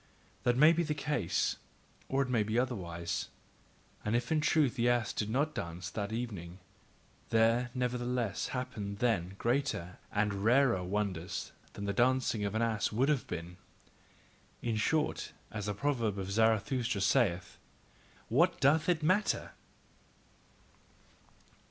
That may be the case, or it may be otherwise; and if in truth the ass did not dance that evening, there nevertheless happened then greater and rarer wonders than the dancing of an ass would have been. In short, as the proverb of Zarathustra saith: "What doth it matter!"